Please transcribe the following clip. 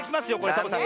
サボさん。